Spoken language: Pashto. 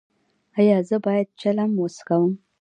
ایا زه باید چلم وڅکوم؟